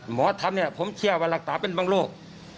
หมอทำเนี่ยผมเชื่อว่ารักษาเป็นบางโรค